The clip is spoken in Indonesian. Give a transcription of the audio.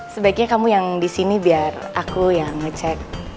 sebaiknya kamu yang disini biar aku yang ngecek